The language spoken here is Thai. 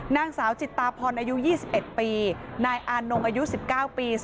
นางสาวจิตตาพรอายุ๒๑ปีนายอานงอายุ๑๙ปี